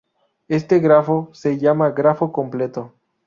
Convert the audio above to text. Este grafo se llama grafo completo.